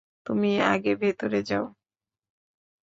তুমি আগে ভেতরে যাও।